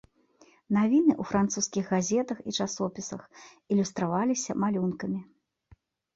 Навіны ў французскіх газетах і часопісах ілюстраваліся малюнкамі.